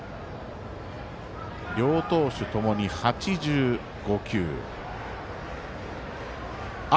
両投手ともに８５球。